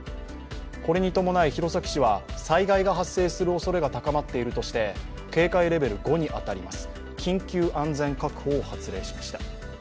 これに伴い弘前市は災害が発生するおそれが高まっているとして警戒レベル５に当たります緊急安全確保を発令しました。